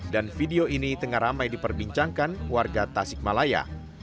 dan video ini tengah ramai diperbincangkan warga tasikmalaya